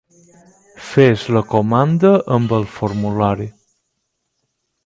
Fes la comanda amb el formulari.